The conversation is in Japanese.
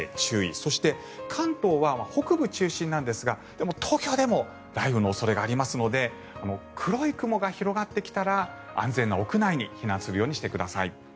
そして、関東は北部中心なんですが東京でも雷雨の恐れがありますので黒い雲が広がってきたら安全な屋内に避難するようにしてください。